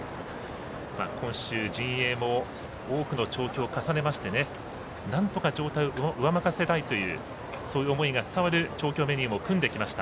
今週、陣営も多くの調教を重ねましてなんとか状態を上向かせたいというそういう思いが伝わる調教メニューも組んできました。